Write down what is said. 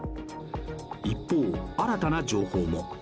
一方、新たな情報も。